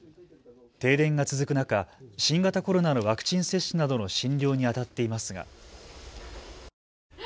停電が続く中、新型コロナのワクチン接種などの診療にあたっていますが。